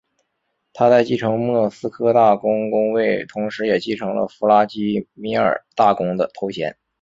他在继承莫斯科大公公位同时也继承了弗拉基米尔大公的头衔。